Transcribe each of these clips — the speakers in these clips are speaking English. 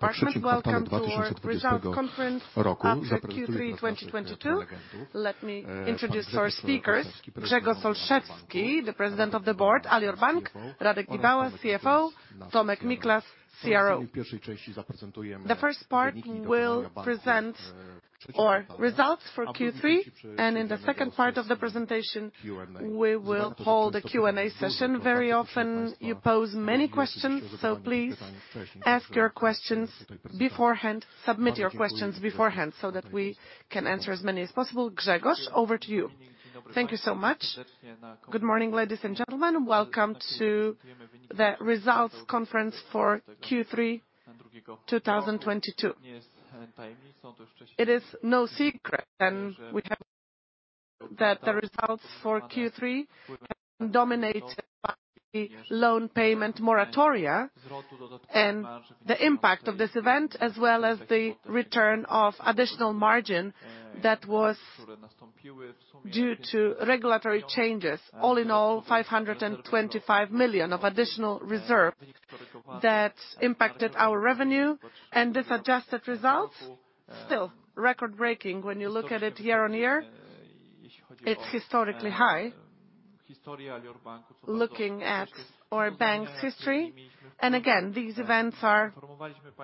Welcome to our results conference after Q3 2022. Let me introduce our speakers. Grzegorz Olszewski, the President of the Board, Alior Bank. Radomir Gibała, CFO. Tomasz Miklas, CRO. The first part will present our results for Q3, and in the second part of the presentation, we will hold a Q&A session. Very often, you pose many questions, so please ask your questions beforehand. Submit your questions beforehand so that we can answer as many as possible. Grzegorz, over to you. Thank you so much. Good morning, ladies and gentlemen. Welcome to the results conference for Q3 2022. It is no secret, and we have said that the results for Q3 have been dominated by the loan payment moratoria and the impact of this event as well as the return of additional margin that was due to regulatory changes. All in all, 525 million of additional reserve that impacted our revenue. This adjusted result, still record-breaking when you look at it year-on-year. It's historically high looking at our bank's history. Again, these events are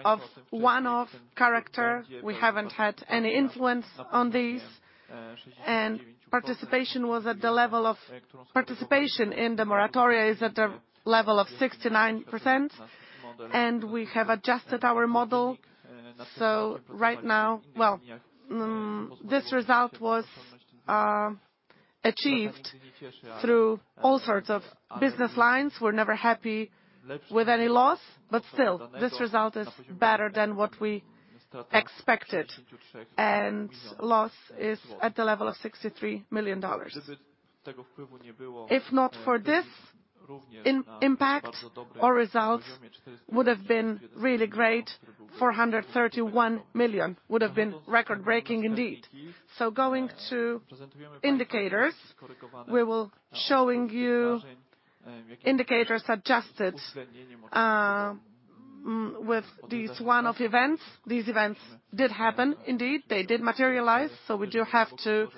of one-off character. We haven't had any influence on these. Participation in the moratoria is at a level of 69%, and we have adjusted our model. Right now, this result was achieved through all sorts of business lines. We're never happy with any loss, but still, this result is better than what we expected. Loss is at the level of PLN 63 million. If not for this impact, our results would've been really great. 431 million would've been record-breaking indeed. Going to indicators, we will showing you indicators adjusted with these one-off events. These events did happen indeed. They did materialize, so we do have to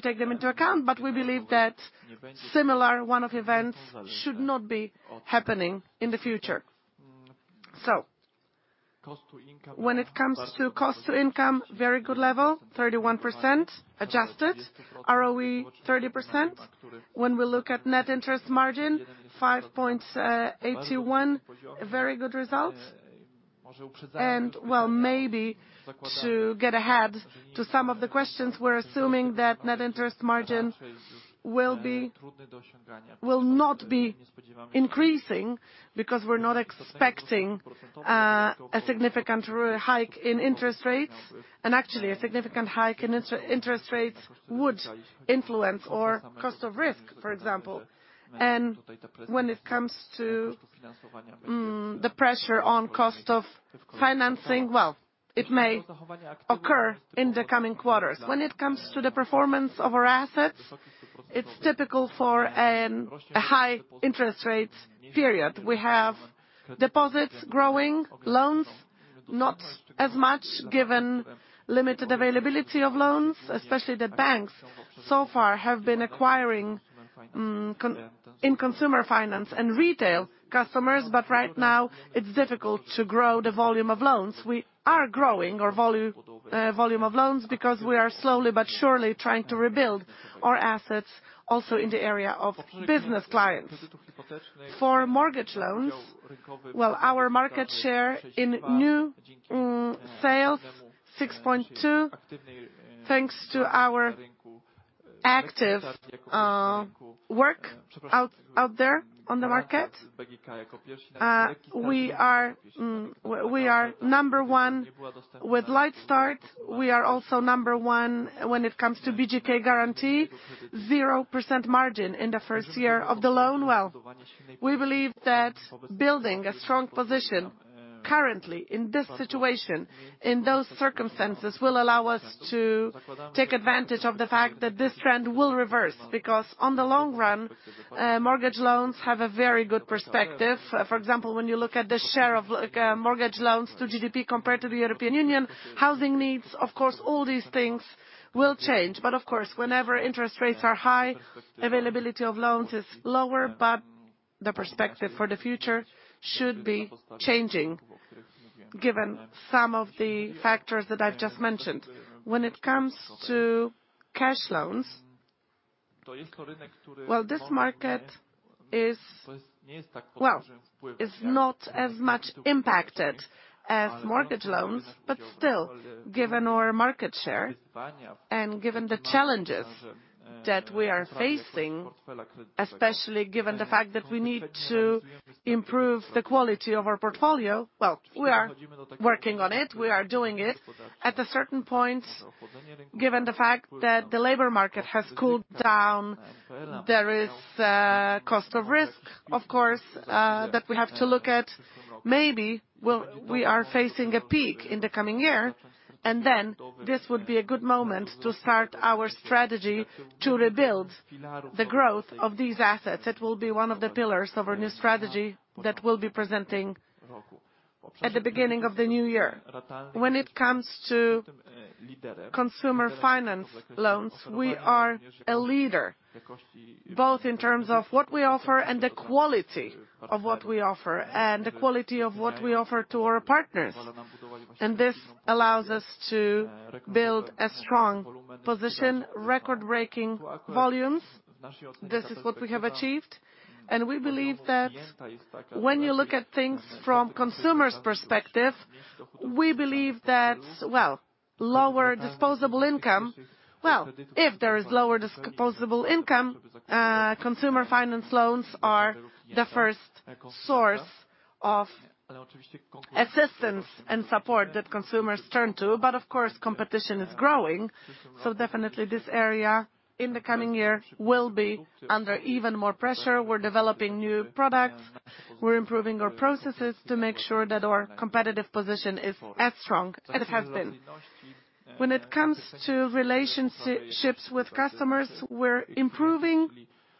take them into account. We believe that similar one-off events should not be happening in the future. When it comes to cost-to-income, very good level, 31%. Adjusted ROE, 30%. When we look at net interest margin (NIM), 5.81%. A very good result. Well, maybe to get ahead to some of the questions, we're assuming that net interest margin (NIM) will not be increasing because we're not expecting a significant rate hike in interest rates. Actually, a significant hike in interest rates would influence our cost of risk (CoR), for example. When it comes to the pressure on cost of financing, well, it may occur in the coming quarters. When it comes to the performance of our assets, it's typical for a high-interest-rate period. We have deposits growing. Loans, not as much given limited availability of loans, especially that banks so far have been acquiring consumer finance and retail customers. Right now, it's difficult to grow the volume of loans. We are growing our volume of loans because we are slowly but surely trying to rebuild our assets also in the area of business clients. For mortgage loans, well, our market share in new sales, 6.2%, thanks to our active work out there on the market. We are number one with Lekki Start. We are also number one when it comes to BGK Guarantee. 0% margin in the first year of the loan. Well, we believe that building a strong position currently in this situation, in those circumstances, will allow us to take advantage of the fact that this trend will reverse. Because on the long run, mortgage loans have a very good perspective. For example, when you look at the share of, like, mortgage loans to GDP compared to the European Union, housing needs, of course, all these things will change. Of course, whenever interest rates are high, availability of loans is lower. The perspective for the future should be changing given some of the factors that I've just mentioned. When it comes to cash loans, well, this market is, well, is not as much impacted as mortgage loans. Still, given our market share and given the challenges that we are facing, especially given the fact that we need to improve the quality of our portfolio, well, we are working on it. We are doing it. At a certain point, given the fact that the labor market has cooled down, there is a cost of risk (CoR), of course, that we have to look at. Maybe, well, we are facing a peak in the coming year, and then this would be a good moment to start our strategy to rebuild the growth of these assets. It will be one of the pillars of our new strategy that we'll be presenting at the beginning of the new year. When it comes to Consumer Finance loans, we are a leader, both in terms of what we offer and the quality of what we offer to our partners. This allows us to build a strong position, record-breaking volumes. This is what we have achieved. We believe that when you look at things from consumer's perspective, we believe that, well, lower disposable income. Well, if there is lower disposable income, Consumer Finance loans are the first source of assistance and support that consumers turn to. Of course, competition is growing, so definitely this area in the coming year will be under even more pressure. We're developing new products, we're improving our processes to make sure that our competitive position is as strong as it has been. When it comes to relationships with customers, we're improving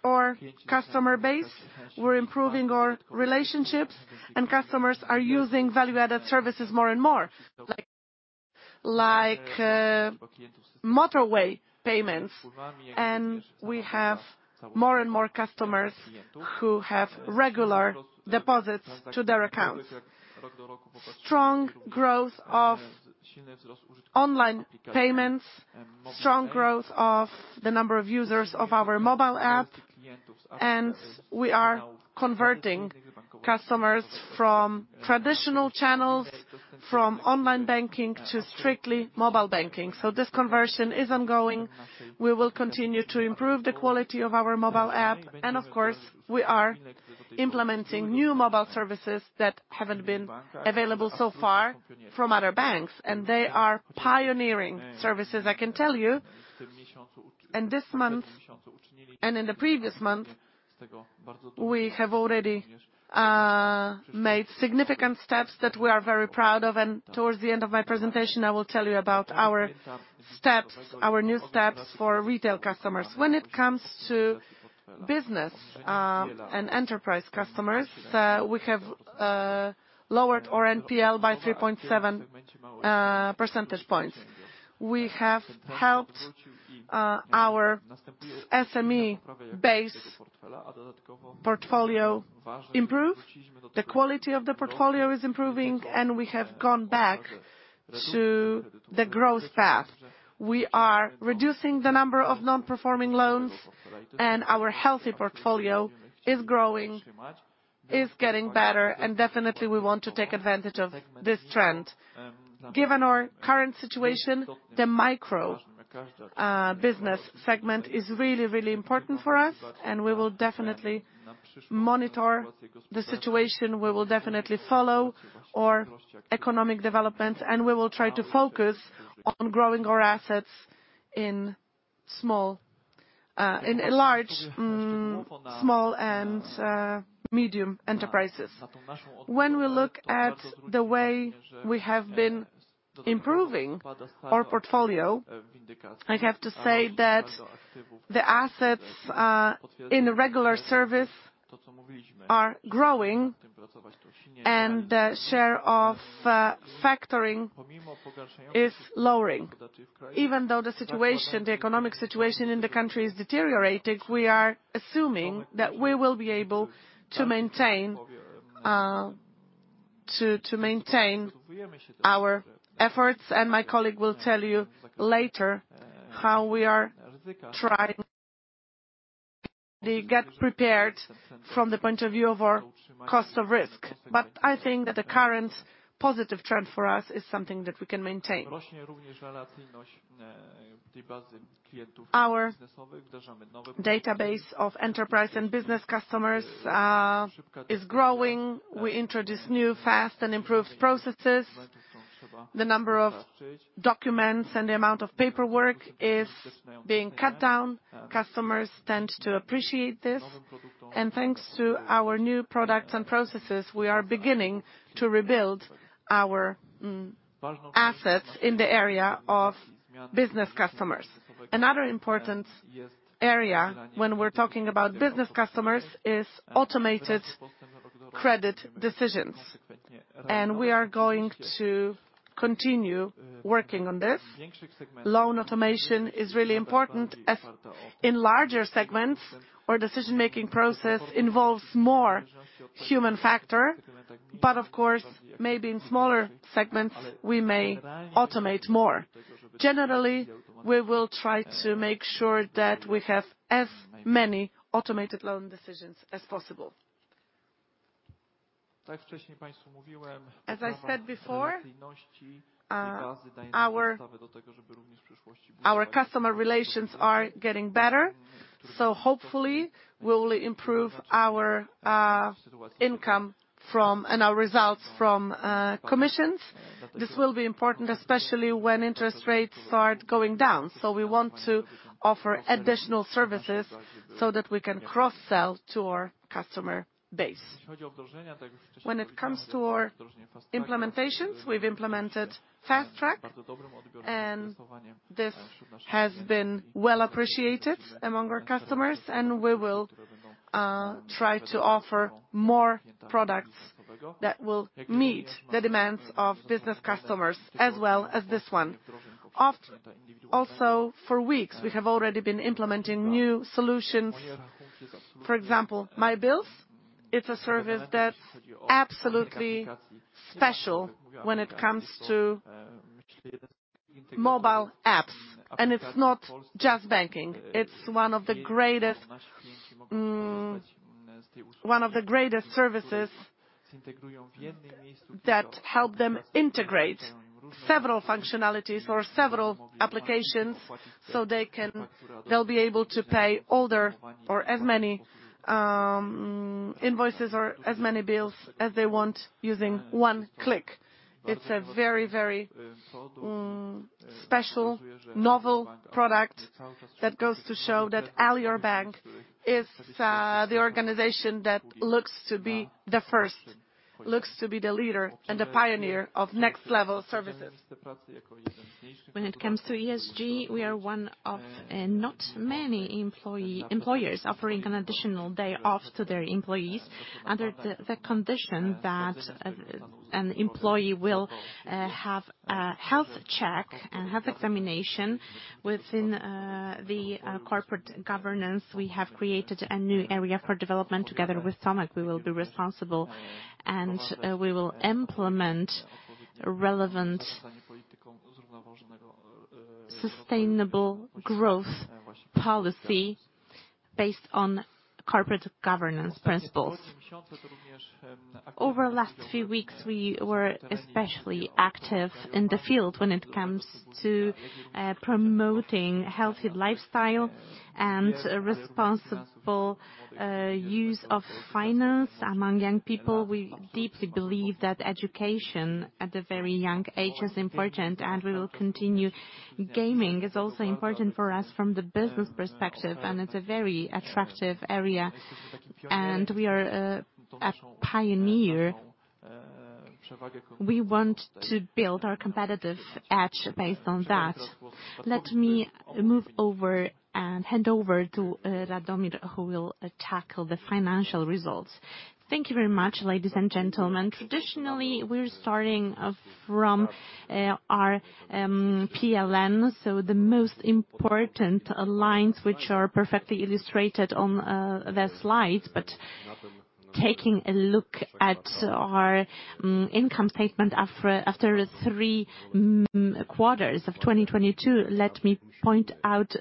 our customer base, we're improving our relationships, and customers are using value-added services more and more, like motorway payments. We have more and more customers who have regular deposits to their accounts. Strong growth of online payments, strong growth of the number of users of our mobile app, and we are converting customers from traditional channels, from online banking to strictly mobile banking. This conversion is ongoing. We will continue to improve the quality of our mobile app, and of course, we are implementing new mobile services that haven't been available so far from other banks, and they are pioneering services, I can tell you. This month, and in the previous month, we have already made significant steps that we are very proud of. Towards the end of my presentation, I will tell you about our steps, our new steps for retail customers. When it comes to business and enterprise customers, we have lowered our NPL by 3.7 percentage points. We have helped our SME base portfolio improve. The quality of the portfolio is improving, and we have gone back to the growth path. We are reducing the number of non-performing loans (NPL), and our healthy portfolio is growing, is getting better, and definitely we want to take advantage of this trend. Given our current situation, the micro business segment is really important for us and we will definitely monitor the situation, we will definitely follow our economic developments, and we will try to focus on growing our assets in small and medium enterprises. When we look at the way we have been improving our portfolio, I have to say that the assets in the regular service are growing and the share of factoring is lowering. Even though the situation, the economic situation in the country is deteriorating, we are assuming that we will be able to maintain our efforts. My colleague will tell you later how we are trying to get prepared from the point of view of our cost of risk (CoR). I think that the current positive trend for us is something that we can maintain. Our database of enterprise and business customers is growing. We introduce new, fast, and improved processes. The number of documents and the amount of paperwork is being cut down. Customers tend to appreciate this. Thanks to our new products and processes, we are beginning to rebuild our assets in the area of business customers. Another important area when we're talking about business customers is automated credit decisions, and we are going to continue working on this. Loan automation is really important as in larger segments our decision-making process involves more human factor. But of course, maybe in smaller segments, we may automate more. Generally, we will try to make sure that we have as many automated loan decisions as possible. As I said before, our customer relations are getting better, so hopefully we'll improve our income from and our results from commissions. This will be important, especially when interest rates start going down. We want to offer additional services so that we can cross-sell to our customer base. When it comes to our implementations, we've implemented Fast Track, and this has been well appreciated among our customers. We will try to offer more products that will meet the demands of business customers as well as this one. Also for weeks, we have already been implementing new solutions. For example, Moje Rachunki. It's a service that's absolutely special when it comes to mobile apps. It's not just banking, it's one of the greatest services that help them integrate several functionalities or several applications so they can pay all their or as many invoices or as many bills as they want using one click. It's a very special novel product that goes to show that Alior Bank is the organization that looks to be the first, the leader and the pioneer of next level services. When it comes to ESG, we are one of not many employers offering an additional day off to their employees under the condition that an employee will have a health check and health examination. Within the corporate governance we have created a new area for development. Together with Tomasz Miklas we will be responsible, and we will implement relevant sustainable growth policy based on corporate governance principles. Over the last few weeks, we were especially active in the field when it comes to promoting healthy lifestyle and a responsible use of finance among young people. We deeply believe that education at a very young age is important, and we will continue. Gaming is also important for us from the business perspective, and it's a very attractive area and we are a pioneer. We want to build our competitive edge based on that. Let me move over and hand over to Radomir Gibała, who will tackle the financial results. Thank you very much, ladies and gentlemen. Traditionally, we're starting from our PLN, so the most important lines which are perfectly illustrated on the slides. Taking a look at our income statement after three quarters of 2022, let me point out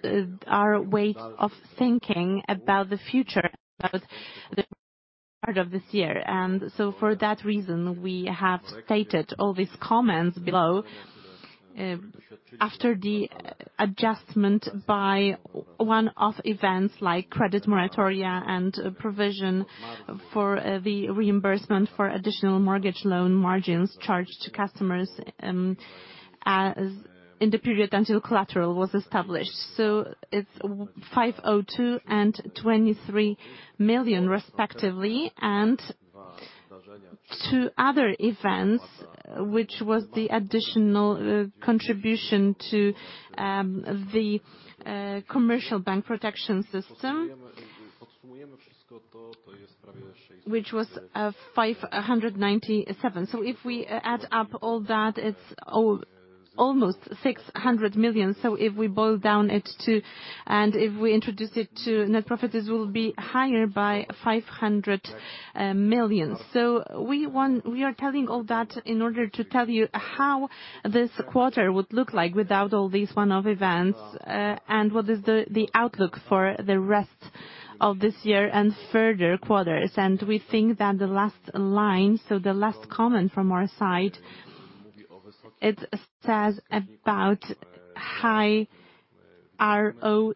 our way of thinking about the future, about the part of this year. For that reason, we have stated all these comments below after the adjustment by one-off events like credit moratoria and provision for the reimbursement for additional mortgage loan margins charged to customers in the period until collateral was established. It's 502 million and 23 million respectively. Two other events, which was the additional contribution to the Commercial Bank Protection System. Which was 597. If we add up all that, it's almost 600 million. If we boil it down to, and if we introduce it to net profit, this will be higher by 500 million. We are telling all that in order to tell you how this quarter would look like without all these one-off events. What is the outlook for the rest of this year and further quarters. We think that the last line, so the last comment from our side, it says about high ROE.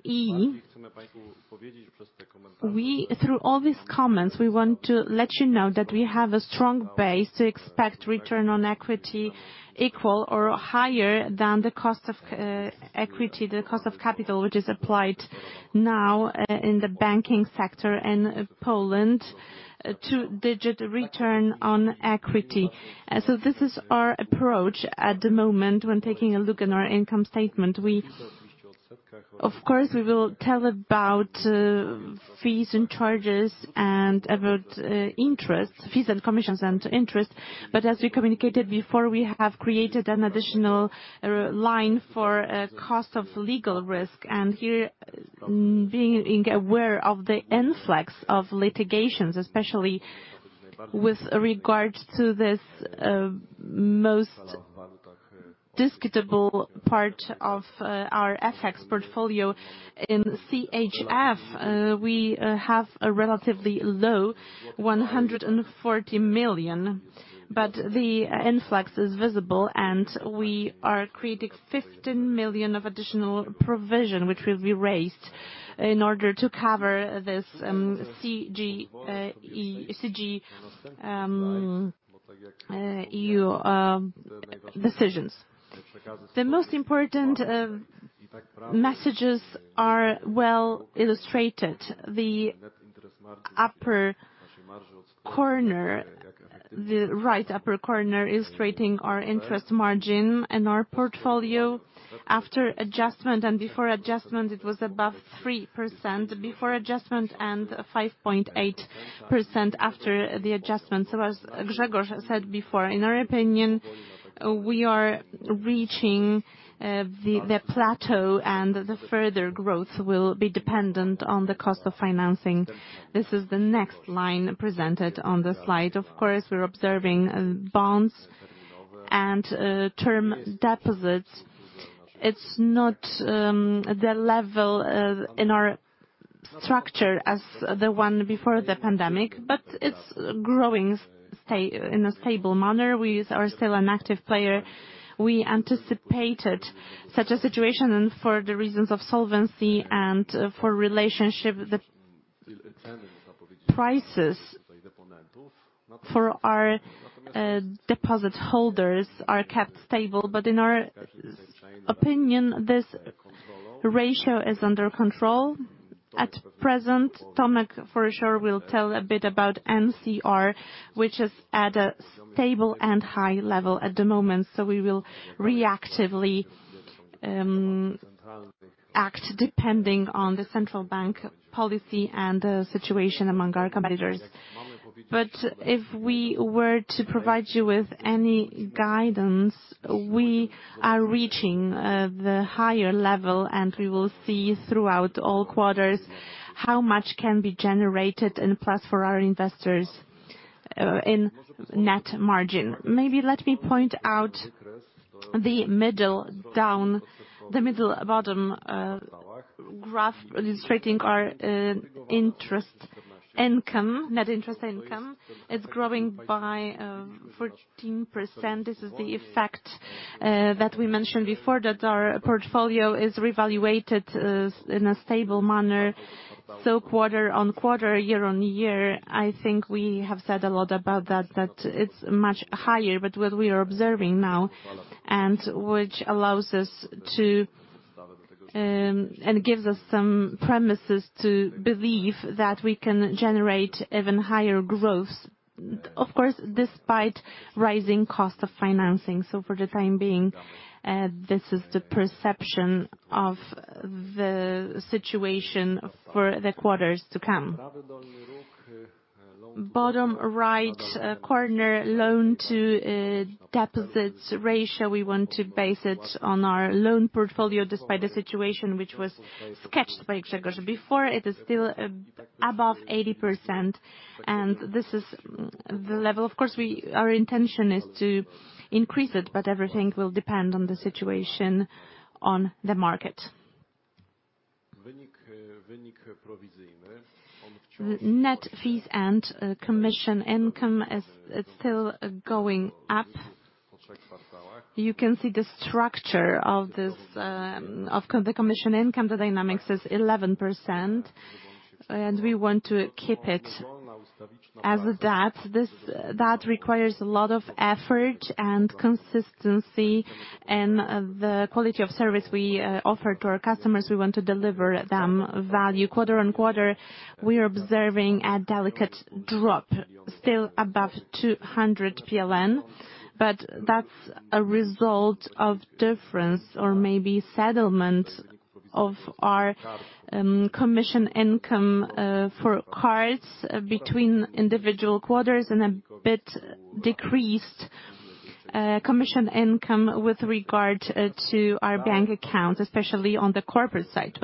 Through all these comments, we want to let you know that we have a strong base to expect return on equity (ROE) equal or higher than the cost of equity, the cost of capital, which is applied now, in the banking sector in Poland, a two-digit return on equity (ROE). This is our approach at the moment when taking a look in our income statement. Of course, we will tell about fees and charges and about interest, fees and commissions and interest. As we communicated before, we have created an additional line for cost of legal risk. Here, being aware of the influx of litigations, especially with regards to this most disputable part of our FX portfolio. In CHF, we have a relatively low 140 million, but the influx is visible and we are creating 15 million of additional provision which will be raised in order to cover these CJEU decisions. The most important messages are well illustrated. The upper corner, the right upper corner illustrating our interest margin and our portfolio after adjustment and before adjustment it was above 3% before adjustment and 5.8% after the adjustment. As Grzegorz said before, in our opinion, we are reaching the plateau and the further growth will be dependent on the cost of financing. This is the next line presented on the slide. Of course, we're observing bonds and term deposits. It's not the level in our structure as the one before the pandemic, but it's growing in a stable manner. We are still an active player. We anticipated such a situation and for the reasons of solvency and for relationship, the prices for our deposit holders are kept stable. In our opinion, this ratio is under control. At present, Tomek for sure will tell a bit about MCR, which is at a stable and high level at the moment. We will reactively act depending on the central bank policy and the situation among our competitors. If we were to provide you with any guidance, we are reaching the higher level, and we will see throughout all quarters how much can be generated in plus for our investors in net margin. Maybe let me point out the middle bottom graph illustrating our interest income. Net interest income is growing by 14%. This is the effect that we mentioned before, that our portfolio is revaluated in a stable manner. Quarter-on-quarter, year-on-year, I think we have said a lot about that it's much higher, but what we are observing now, and which allows us to, and gives us some premises to believe that we can generate even higher growth, of course, despite rising cost of financing. For the time being, this is the perception of the situation for the quarters to come. Bottom right corner, loan-to-deposit ratio. We want to base it on our loan portfolio despite the situation which was sketched by Grzegorz before. It is still above 80% and this is the level. Of course, our intention is to increase it, but everything will depend on the situation on the market. Net fees and commission income is still going up. You can see the structure of this, of the commission income. The dynamics is 11% and we want to keep it as that. That requires a lot of effort and consistency in the quality of service we offer to our customers. We want to deliver them value. Quarter-on-quarter, we are observing a delicate drop, still above 200 PLN, but that's a result of difference or maybe settlement of our commission income for cards between individual quarters and a bit decreased commission income with regard to our bank accounts, especially on the corporate side.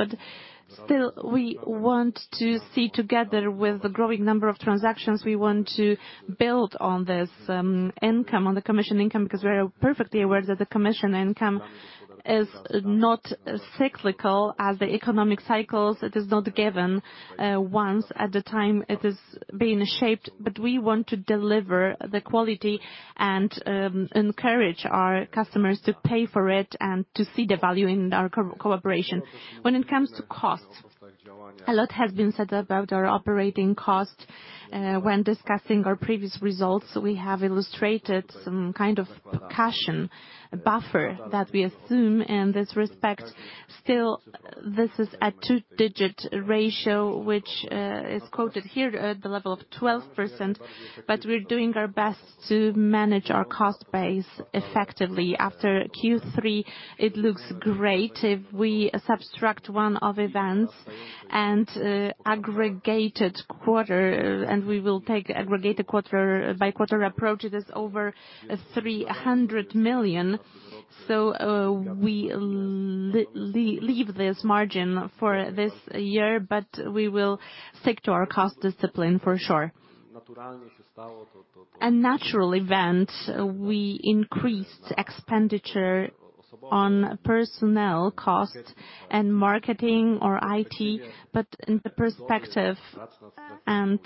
Still we want to see together with the growing number of transactions, we want to build on this income, on the commission income, because we are perfectly aware that the commission income is not cyclical as the economic cycles. It is not given once at the time it is being shaped, but we want to deliver the quality and encourage our customers to pay for it and to see the value in our co-collaboration. When it comes to cost, a lot has been said about our operating cost. When discussing our previous results, we have illustrated some kind of caution buffer that we assume in this respect. This is a two-digit ratio, which is quoted here at the level of 12%. We're doing our best to manage our cost base effectively. After Q3, it looks great. If we subtract one-off events and an aggregated quarter, and we will take aggregated quarter-by-quarter approach, it is over 300 million. We leave this margin for this year, but we will stick to our cost discipline for sure. A natural event, we increased expenditure on personnel costs and marketing or IT, but in the perspective and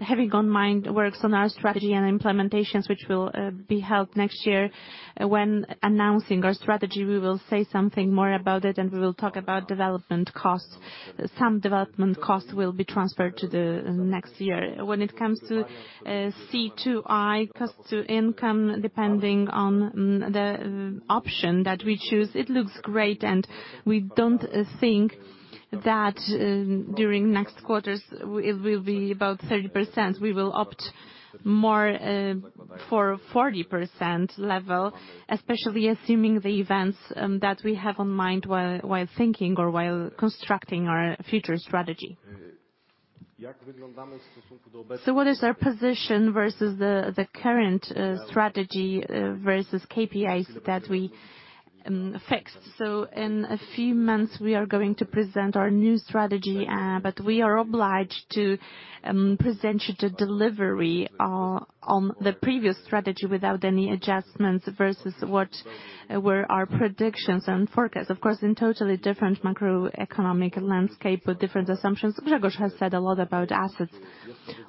having in mind work on our strategy and implementations which will be held next year. When announcing our strategy, we will say something more about it and we will talk about development costs. Some development costs will be transferred to the next year. When it comes to C2I, cost-to-income, depending on the option that we choose, it looks great and we don't think that during next quarters it will be about 30%. We will opt more for 40% level, especially assuming the events that we have in mind while thinking or while constructing our future strategy. What is our position versus the current strategy versus KPIs that we fixed. In a few months we are going to present our new strategy, but we are obliged to present you the delivery on the previous strategy without any adjustments versus what were our predictions and forecasts. Of course, in totally different macroeconomic landscape with different assumptions. Grzegorz has said a lot about assets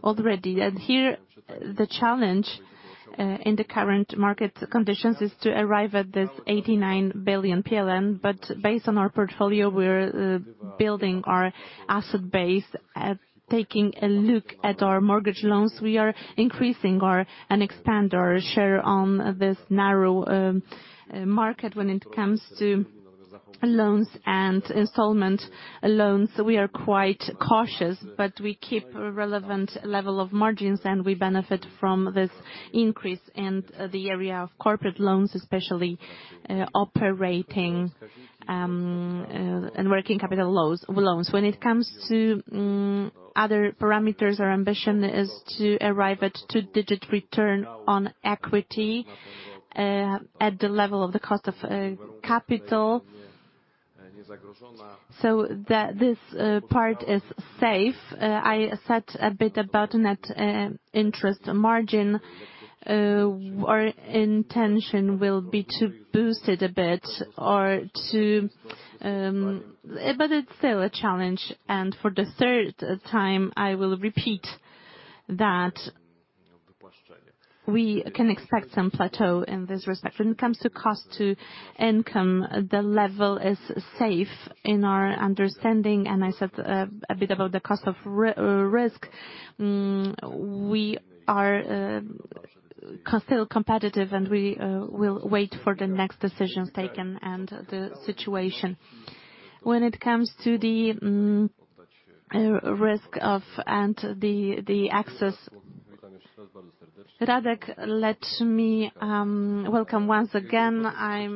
already. Here the challenge in the current market conditions is to arrive at this 89 billion PLN. Based on our portfolio, we're building our asset base. Taking a look at our mortgage loans, we are increasing our and expand our share on this narrow market when it comes to loans and installment loans. We are quite cautious, but we keep a relevant level of margins and we benefit from this increase in the area of corporate loans especially, operating, and working capital loans. When it comes to other parameters, our ambition is to arrive at two-digit return on equity (ROE) at the level of the cost of capital. This part is safe. I said a bit about net interest margin (NIM). Our intention will be to boost it a bit. But it's still a challenge. For the third time, I will repeat that we can expect some plateau in this respect. When it comes to cost-to-income, the level is safe in our understanding. I said a bit about the cost of risk (CoR). We are consistently competitive and we will wait for the next decisions taken and the situation. When it comes to the risk and the assets. Radek, let me welcome once again. I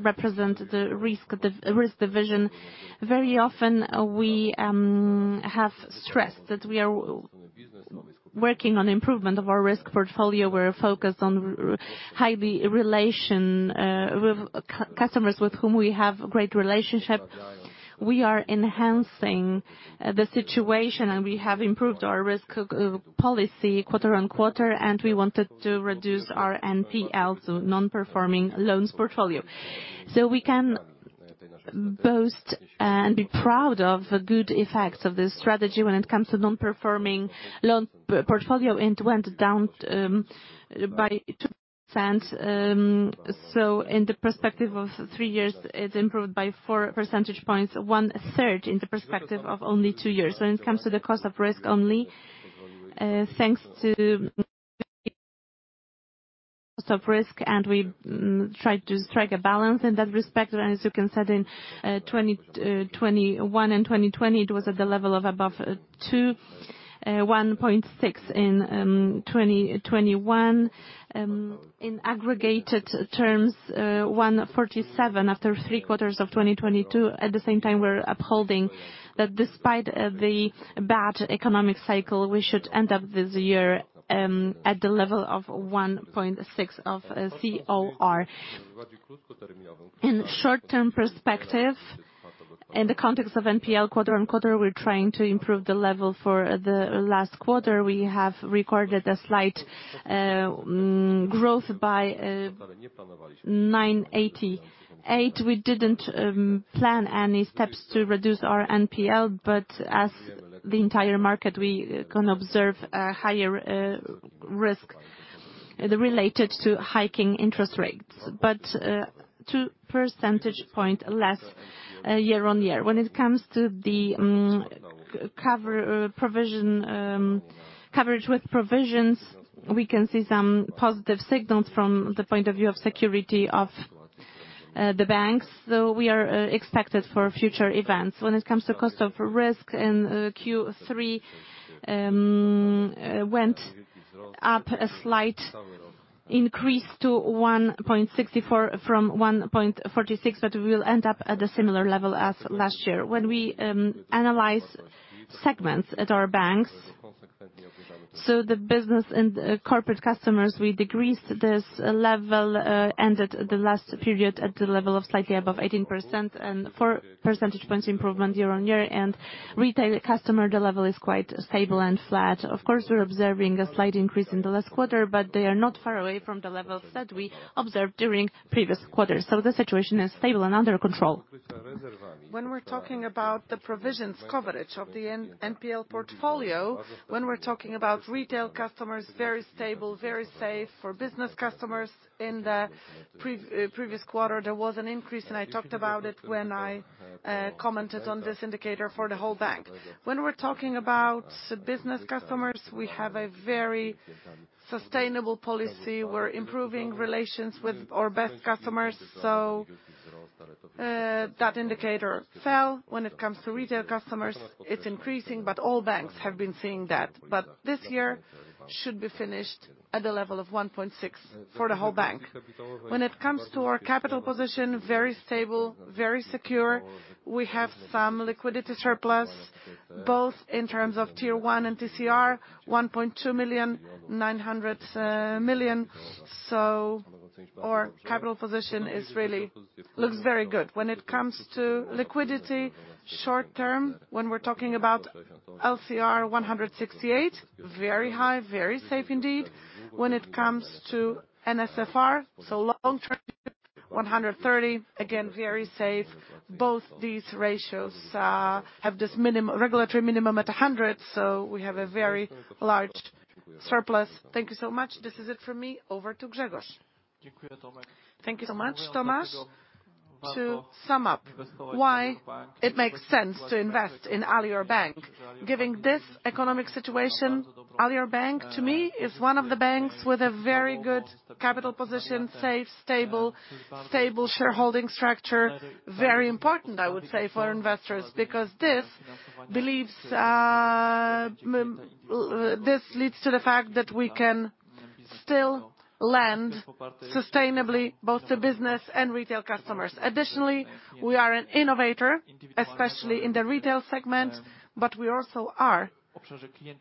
represent the risk division. Very often, we have stressed that we are working on improvement of our risk portfolio. We're focused on highly relations with customers with whom we have great relationship. We are enhancing the situation and we have improved our risk policy quarter-over-quarter, and we wanted to reduce our NPLs, non-performing loans (NPL) portfolio. We can boast and be proud of the good effects of this strategy when it comes to non-performing loan portfolio. It went down by 2%. In the perspective of three years, it's improved by 4 percentage points, one third in the perspective of only 2 years. When it comes to the cost of risk (CoR) only, thanks to cost of risk (CoR), and we try to strike a balance in that respect. As you can see in 2021 and 2020, it was at the level of above 2%. 1.6% in 2021. In aggregated terms, 1.47% after 3 quarters of 2022. At the same time, we're upholding that despite the bad economic cycle, we should end up this year at the level of 1.6% of COR. In short-term perspective, in the context of NPL quarter-on-quarter, we're trying to improve the level. For the last quarter, we have recorded a slight growth by 9.88%. We didn't plan any steps to reduce our NPL, but as the entire market, we can observe a higher risk related to hiking interest rates. Two percentage point less year-over-year. When it comes to provision coverage, we can see some positive signals from the point of view of security of the banks. We are expected for future events. When it comes to cost of risk (CoR) in Q3, went up a slight increase to 1.64% from 1.46%, but we will end up at a similar level as last year. When we analyze segments at our banks, the business and corporate customers, we decreased this level, ended the last period at the level of slightly above 18% and 4 percentage points improvement year-on-year. Retail customer, the level is quite stable and flat. Of course, we're observing a slight increase in the last quarter, but they are not far away from the levels that we observed during previous quarters. The situation is stable and under control. When we're talking about the provisions coverage of the NPL portfolio, when we're talking about retail customers, very stable, very safe. For business customers in the previous quarter, there was an increase, and I talked about it when I commented on this indicator for the whole bank. When we're talking about business customers, we have a very sustainable policy. We're improving relations with our best customers. So, that indicator fell. When it comes to retail customers, it's increasing, but all banks have been seeing that. This year should be finished at the level of 1.6% for the whole bank. When it comes to our capital position, very stable, very secure. We have some liquidity surplus, both in terms of Tier 1 and TCR, 1.2 million, 900 million. Our capital position really looks very good. When it comes to liquidity short-term, when we're talking about LCR 168%, very high, very safe indeed. When it comes to NSFR, so long-term, 130, again, very safe. Both these ratios have this regulatory minimum at 100, so we have a very large surplus. Thank you so much. This is it from me. Over to Grzegorz. Thank you so much, Tomasz. To sum up why it makes sense to invest in Alior Bank, given this economic situation, Alior Bank, to me, is one of the banks with a very good capital position, safe, stable shareholding structure. Very important, I would say, for investors, because this belief leads to the fact that we can still lend sustainably both to business and retail customers. Additionally, we are an innovator, especially in the retail segment, but we also are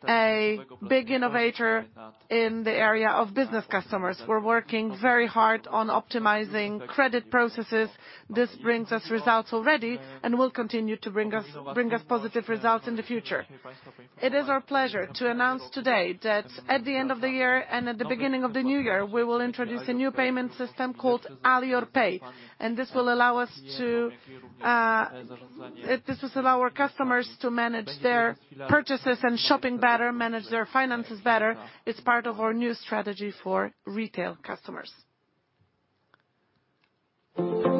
a big innovator in the area of business customers. We're working very hard on optimizing credit processes. This brings us results already and will continue to bring us positive results in the future. It is our pleasure to announce today that at the end of the year and at the beginning of the new year, we will introduce a new payment system called Alior Pay, and this will allow our customers to manage their purchases and shopping better, manage their finances better. It's part of our new strategy for retail customers. Thank you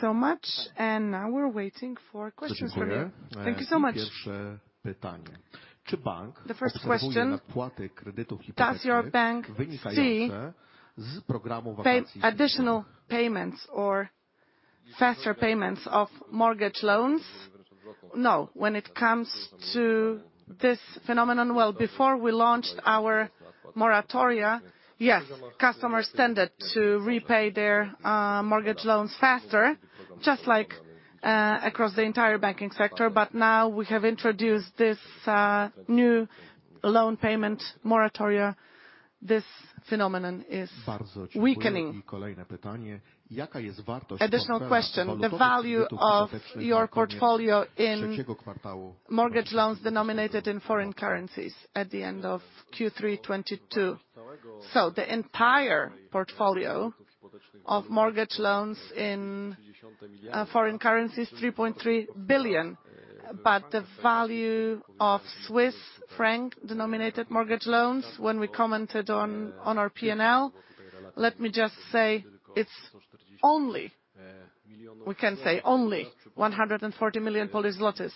so much. Now we're waiting for questions from you. Thank you so much. The first question, does your bank see additional payments or faster payments of mortgage loans? No. When it comes to this phenomenon, well, before we launched our moratoria, yes, customers tended to repay their mortgage loans faster, just like across the entire banking sector. Now we have introduced this new loan payment moratoria, this phenomenon is weakening. Additional question, the value of your portfolio in mortgage loans denominated in foreign currencies at the end of Q3 2022. So the entire portfolio of mortgage loans in foreign currency is 3.3 billion. But the value of Swiss franc-denominated mortgage loans, when we commented on our P&L, let me just say it's only, we can say only 140 million Polish zlotys.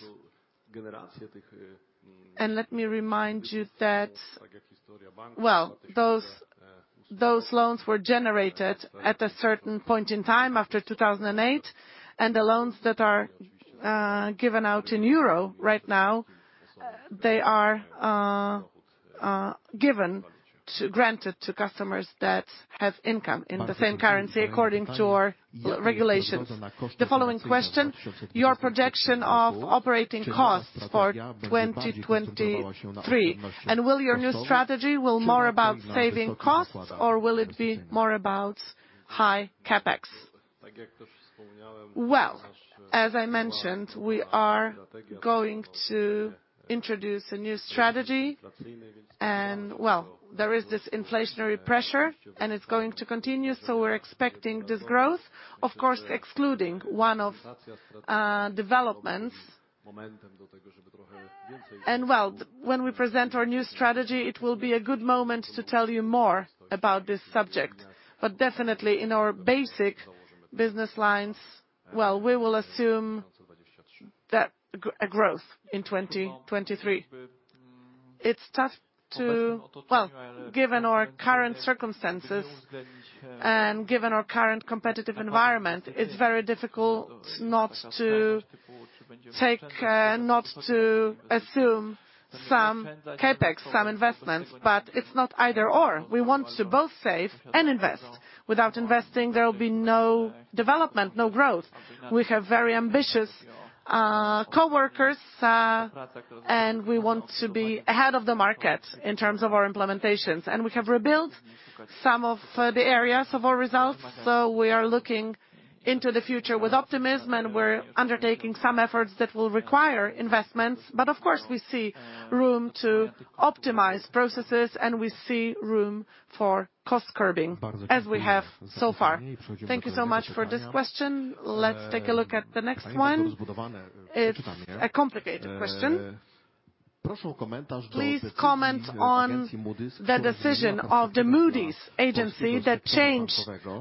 Let me remind you that, well, those loans were generated at a certain point in time after 2008, and the loans that are given out in euro right now, they are granted to customers that have income in the same currency, according to our regulations. The following question, your projection of operating costs for 2023, and will your new strategy be more about saving costs or will it be more about high CapEx? Well, as I mentioned, we are going to introduce a new strategy and, well, there is this inflationary pressure, and it's going to continue, so we're expecting this growth. Of course, excluding one of developments. Well, when we present our new strategy, it will be a good moment to tell you more about this subject. Definitely in our basic business lines, well, we will assume growth in 2023. It's tough to. Well, given our current circumstances and given our current competitive environment, it's very difficult not to take, not to assume some CapEx, some investments. It's not either/or. We want to both save and invest. Without investing, there will be no development, no growth. We have very ambitious coworkers and we want to be ahead of the market in terms of our implementations. We have rebuilt some of the areas of our results, so we are looking into the future with optimism, and we're undertaking some efforts that will require investments. Of course, we see room to optimize processes, and we see room for cost curbing as we have so far. Thank you so much for this question. Let's take a look at the next one. It's a complicated question. Please comment on the decision of the Moody's Agency that changed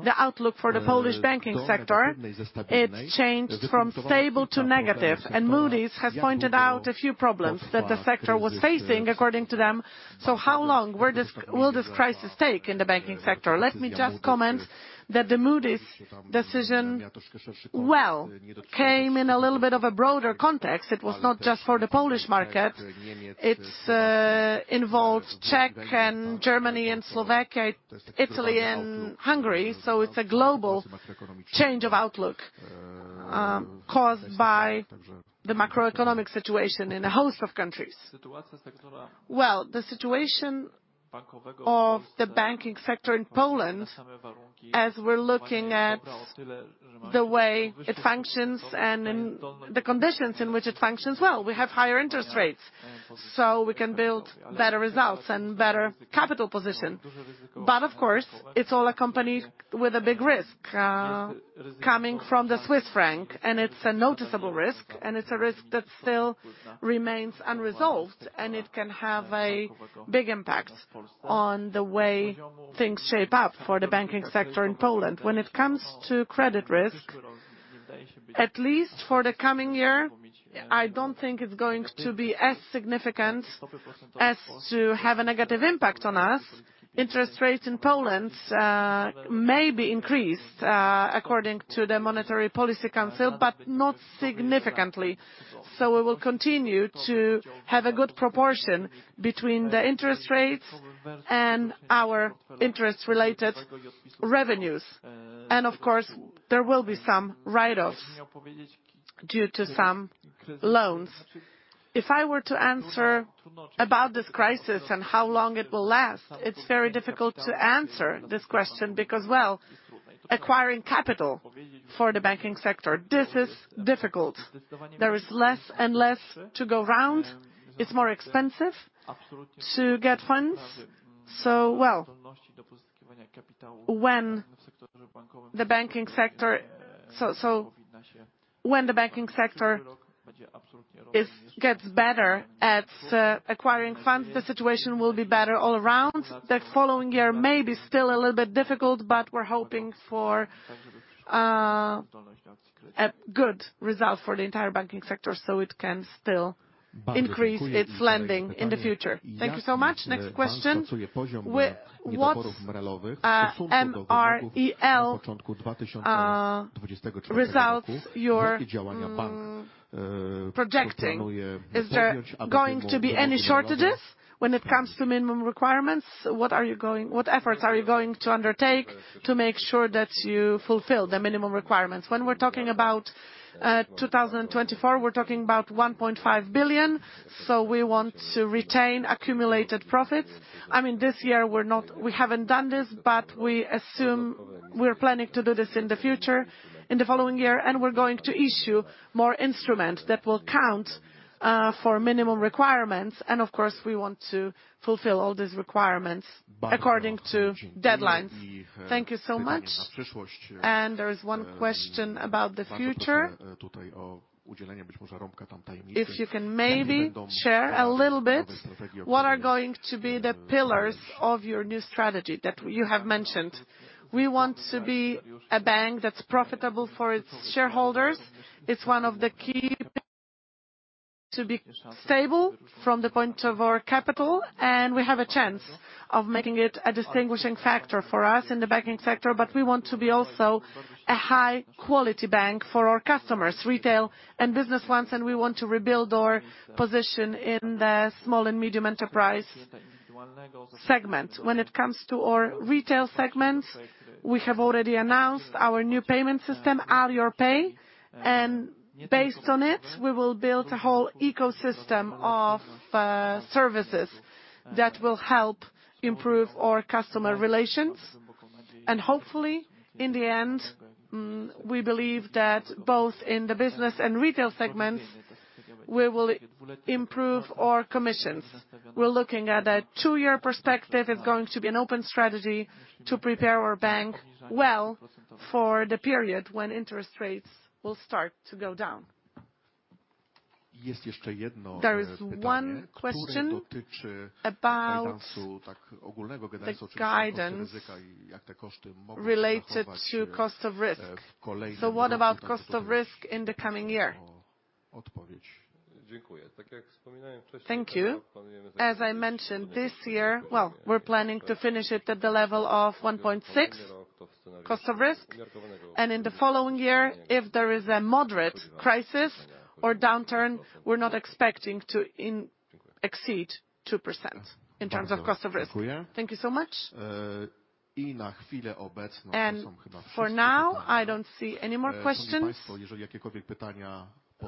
the outlook for the Polish banking sector. It changed from stable to negative, and Moody's has pointed out a few problems that the sector was facing, according to them. How long will this crisis take in the banking sector? Let me just comment that the Moody's decision, well, came in a little bit of a broader context. It was not just for the Polish market. It involves Czech and Germany and Slovakia, Italy and Hungary. It's a global change of outlook, caused by the macroeconomic situation in a host of countries. Well, the situation of the banking sector in Poland, as we're looking at the way it functions and in the conditions in which it functions well, we have higher interest rates, so we can build better results and better capital position. Of course, it's all accompanied with a big risk, coming from the Swiss franc, and it's a noticeable risk, and it's a risk that still remains unresolved, and it can have a big impact on the way things shape up for the banking sector in Poland. When it comes to credit risk, at least for the coming year, I don't think it's going to be as significant as to have a negative impact on us. Interest rates in Poland, may be increased, according to the Monetary Policy Council, but not significantly. We will continue to have a good proportion between the interest rates and our interest-related revenues. Of course, there will be some write-offs due to some loans. If I were to answer about this crisis and how long it will last, it's very difficult to answer this question because acquiring capital for the banking sector, this is difficult. There is less and less to go around. It's more expensive to get funds. When the banking sector gets better at acquiring funds, the situation will be better all around. The following year may be still a little bit difficult, but we're hoping for a good result for the entire banking sector, so it can still increase its lending in the future. Thank you so much. Next question. With what MREL results you're projecting? Is there going to be any shortages when it comes to minimum requirements? What efforts are you going to undertake to make sure that you fulfill the minimum requirements? When we're talking about 2024, we're talking about 1.5 billion. So we want to retain accumulated profits. I mean, this year we haven't done this, but we assume we're planning to do this in the future, in the following year, and we're going to issue more instruments that will count for minimum requirements. Of course, we want to fulfill all these requirements according to deadlines. Thank you so much. There is one question about the future. If you can maybe share a little bit, what are going to be the pillars of your new strategy that you have mentioned? We want to be a bank that's profitable for its shareholders. It's one of the key to be stable from the point of our capital, and we have a chance of making it a distinguishing factor for us in the banking sector. But we want to be also a high-quality bank for our customers, retail and business ones, and we want to rebuild our position in the small and medium enterprise segment. When it comes to our retail segment, we have already announced our new payment system, Alior Pay, and based on it, we will build a whole ecosystem of services that will help improve our customer relations. Hopefully, in the end, we believe that both in the business and retail segments, we will improve our commissions. We're looking at a two-year perspective. It's going to be an open strategy to prepare our bank well for the period when interest rates will start to go down. There is one question about the guidance related to cost of risk (CoR). What about cost of risk (CoR) in the coming year? Thank you. As I mentioned this year, well, we're planning to finish it at the level of 1.6 cost of risk (CoR). In the following year, if there is a moderate crisis or downturn, we're not expecting to exceed 2% in terms of cost of risk (CoR). Thank you so much. For now, I don't see any more questions.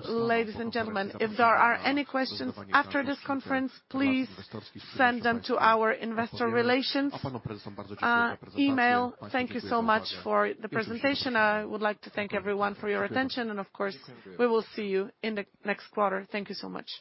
Ladies and gentlemen, if there are any questions after this conference, please send them to our investor relations email. Thank you so much for the presentation. I would like to thank everyone for your attention. Of course, we will see you in the next quarter. Thank you so much.